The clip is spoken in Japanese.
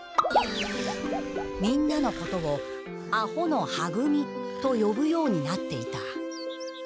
みんなのことをアホのは組とよぶようになっていた。